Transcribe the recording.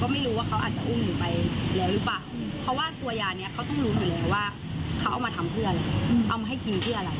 เขาเอามาทำเพื่ออะไรเอามาให้กินเพื่ออะไร